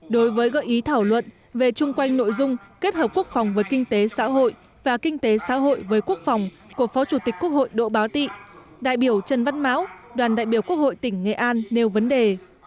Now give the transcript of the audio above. đối với gợi ý thảo luận về chung quanh nội dung kết hợp quốc phòng với kinh tế xã hội và kinh tế xã hội với quốc phòng của phó chủ tịch quốc hội độ báo tị đại biểu trần văn máu đoàn đại biểu quốc hội tỉnh nghệ an nêu vấn đề